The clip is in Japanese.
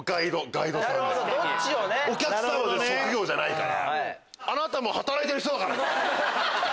お客さんは職業じゃないから。